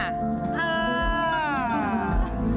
เออ